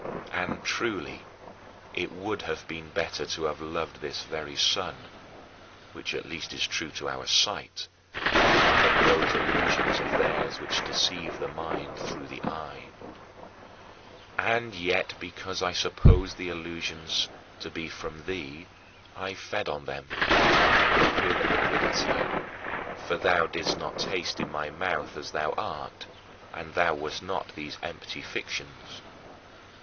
And, truly, it would have been better to have loved this very sun which at least is true to our sight than those illusions of theirs which deceive the mind through the eye. And yet because I supposed the illusions to be from thee I fed on them not with avidity, for thou didst not taste in my mouth as thou art, and thou wast not these empty fictions.